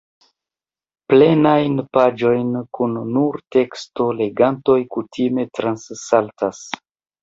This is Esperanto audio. Plenajn paĝojn kun nur teksto legantoj kutime transsaltas.